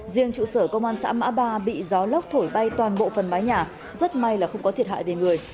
riêng trụ sở công an xã mã ba bị gió lốc thổi bay toàn bộ phần mái nhà rất may là không có thiệt hại về người